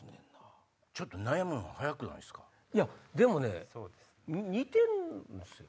でもね似てるんですよ。